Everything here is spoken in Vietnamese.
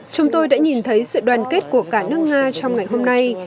chúng tôi đã nhìn thấy sự đoàn kết của cả nước nga trong ngày hôm nay